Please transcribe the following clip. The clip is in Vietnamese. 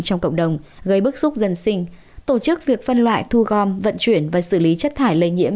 trong cộng đồng gây bức xúc dân sinh tổ chức việc phân loại thu gom vận chuyển và xử lý chất thải lây nhiễm